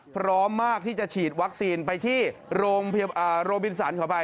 พร้อมมากที่จะฉีดวัคซีนไปที่โรบินสันขออภัย